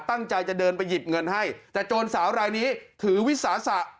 ตั้งใจจะเดินไปหยิบเงินให้แต่โจรสาวรายนี้ถือวิสาสะ